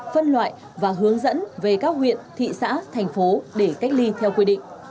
phân loại và hướng dẫn về các huyện thị xã thành phố để cách ly theo quy định